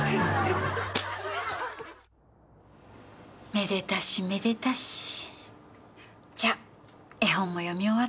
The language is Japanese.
「めでたしめでたし」じゃあ絵本も読み終わったし。